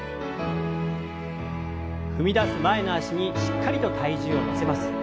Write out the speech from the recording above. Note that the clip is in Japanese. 踏み出す前の脚にしっかりと体重を乗せます。